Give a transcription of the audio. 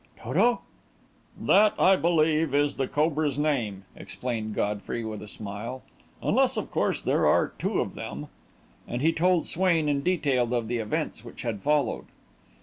"Toto?" "That, I believe, is the cobra's name," explained Godfrey, with a smile; "unless, of course, there are two of them." And he told Swain in detail of the events which had followed.